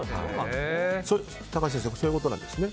高橋先生そういうことなんですね。